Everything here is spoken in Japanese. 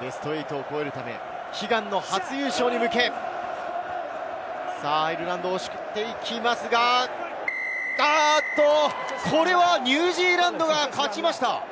ベスト８を超えるため、悲願の初優勝に向け、アイルランド、押していきますが、これはニュージーランドが勝ちました。